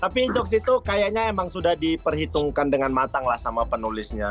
tapi jokes itu kayaknya emang sudah diperhitungkan dengan matang lah sama penulisnya